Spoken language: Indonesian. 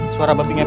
suara babi ngepet